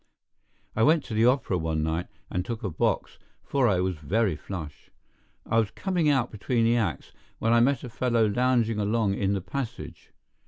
I went to the opera one night and took a box, for I was very flush. I was coming out between the acts when I met a fellow lounging along in the passage.